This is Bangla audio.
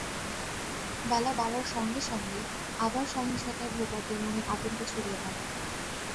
বেলা বাড়ার সঙ্গে সঙ্গে আবার সহিংসতায় ভোটারদের মনে আতঙ্ক ছড়িয়ে পড়ে।